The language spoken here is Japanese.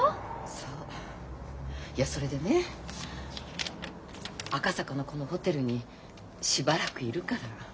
いやそれでね赤坂のこのホテルにしばらくいるから。